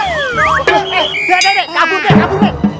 eh deh deh deh kabur deh kabur deh